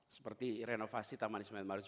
seperti renovasi taman